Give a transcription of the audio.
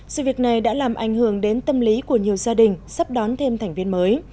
sự việc này đã làm ảnh hưởng đến tâm lý của nhiều gia đình sắp đón thêm thành viên mới